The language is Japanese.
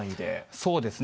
そうですね。